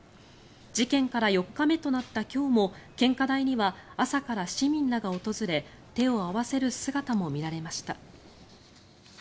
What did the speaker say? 事件から４日目となった今日も献花台には朝から市民らが訪れ手を合わせる姿も見られました。